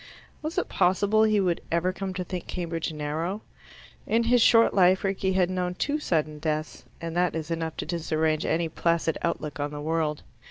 Was it possible he would ever come to think Cambridge narrow? In his short life Rickie had known two sudden deaths, and that is enough to disarrange any placid outlook on the world.